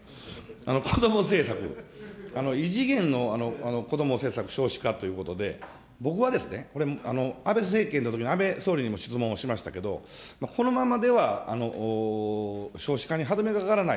子ども政策、異次元の子ども政策、少子化ということで、僕は、安倍政権のときに、安倍総理にも質問をしましたけど、このままでは少子化に歯止めがかからない。